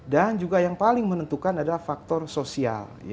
dan juga yang paling menentukan adalah faktor sosial